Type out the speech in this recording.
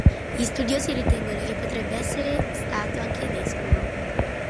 Gli studiosi ritengono che potrebbe essere stato anche vescovo.